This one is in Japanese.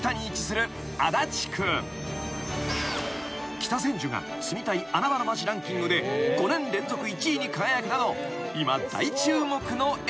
［北千住が住みたい穴場の町ランキングで５年連続１位に輝くなど今大注目のエリア］